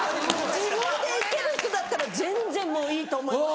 地声で行ける人だったら全然もういいと思います。